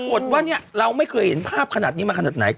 ปรากฏว่าเนี่ยเราไม่เคยเห็นภาพขนาดนี้มาขนาดไหน